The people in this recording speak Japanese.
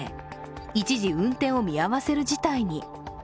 一時、運転を見合わせる事態に。